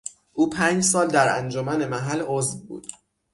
او پنج سال در انجمن محل عضو بود.